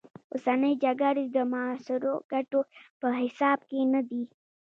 اوسنۍ جګړې د معاصرو ګټو په حساب کې نه دي.